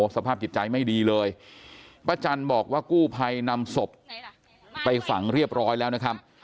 สภาพจิตใจไม่ดีเลยป้าจันบอกว่ากู้ภัยนำศพไปฝังเรียบร้อยแล้วนะครับ